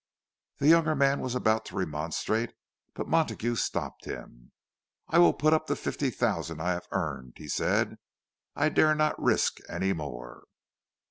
The younger man was about to remonstrate, but Montague stopped him, "I will put up the fifty thousand I have earned," he said. "I dare not risk any more."